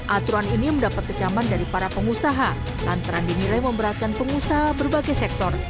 aturan ini mendapat kecaman dari para pengusaha lantaran dinilai memberatkan pengusaha berbagai sektor